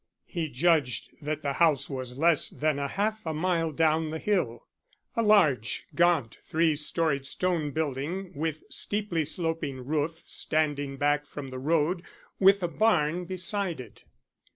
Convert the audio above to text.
He judged that the house was less than a half a mile down the hill, a large, gaunt, three storied stone building, with steeply sloping roof, standing back from the road, with a barn beside it.